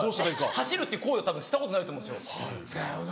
走るって行為をたぶんしたことないと思うんですよ。